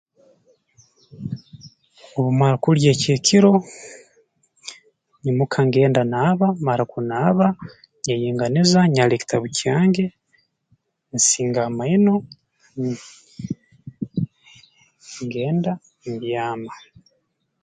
Obu mmara kulya eky'ekiro nyimuka ngenda naaba mmara kunaaba nyeyinganiza nyara ekitabu kyange nsinga amaino ng ngenda mbyama